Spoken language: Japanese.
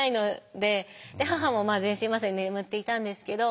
で母も全身麻酔で眠っていたんですけど。